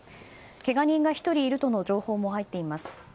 けが人が１人いるとの情報も入っています。